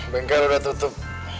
bengkar udah tutup